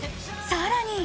さらに。